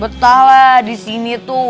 betul di sini tuh